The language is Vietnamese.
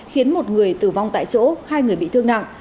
khiến một người tử vong tại chỗ hai người bị thương nặng